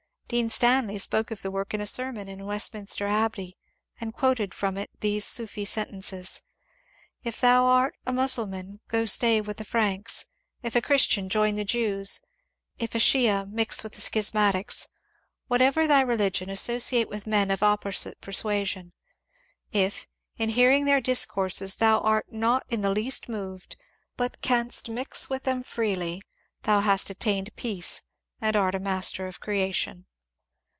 Dean Stanley spoke of the work in a sermon in Westminster Abbey and quoted from it these Sufi sentences :^^ If thou art a Mussul man, go stay with the Franks ; if a Christian, join the Jews ; if a Shiah, mix with the Schismatics : whatever thy religion, associate with men of opposite persuasion. If, in hearing their discourses, thou art not in the least moved, but canst mix with them freely, thou hast attained peace and art a master of creation."